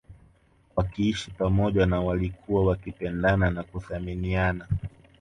Wakiishi pamoja na walikuwa wakipendana na kuthaminiana